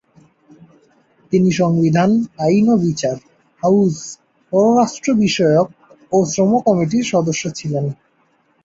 তিনি সংবিধান, আইন ও বিচার, হাউস, পররাষ্ট্র বিষয়ক ও শ্রম কমিটির সদস্য ছিলেন।